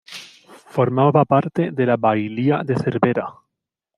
Formaba parte de la bailía de Cervera.